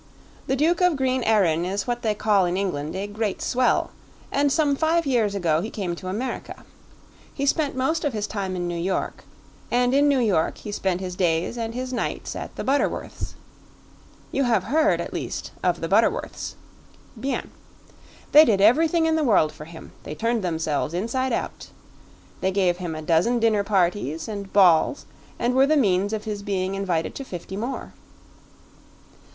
"The Duke of Green Erin is what they call in England a great swell, and some five years ago he came to America. He spent most of his time in New York, and in New York he spent his days and his nights at the Butterworths'. You have heard, at least, of the Butterworths. BIEN. They did everything in the world for him they turned themselves inside out. They gave him a dozen dinner parties and balls and were the means of his being invited to fifty more.